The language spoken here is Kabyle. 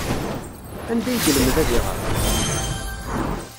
Anda ay yelmed ad iɣer?